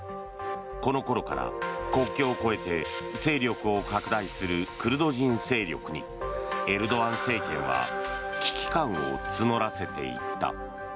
このころから、国境を越えて勢力を拡大するクルド人勢力にエルドアン政権は危機感を募らせていった。